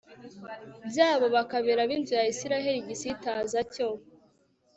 byabo bakabera ab inzu ya Isirayeli igisitaza cyo